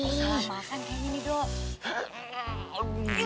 lo salah makan kayaknya nih do